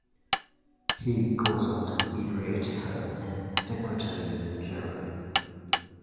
He goes on to berate her and secretaries in general.